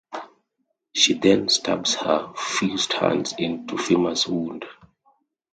She then stabs her fused hands into Fima's wound.